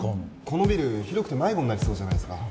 このビル広くて迷子になりそうじゃないっすか。